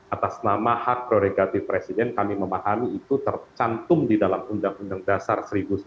atas nama hak prerogatif presiden kami memahami itu tercantum di dalam undang undang dasar seribu sembilan ratus empat puluh